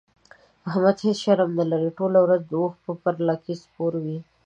احمد هيڅ شرم نه لري؛ ټوله ورځ د اوښ پر لکۍ سپور وي.